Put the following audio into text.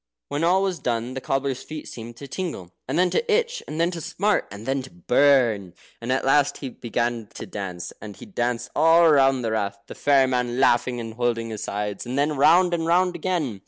When all was done the cobbler's feet seemed to tingle, and then to itch, and then to smart, and then to burn. And at last he began to dance, and he danced all round the Rath (the fairy man laughing and holding his sides), and then round and round again.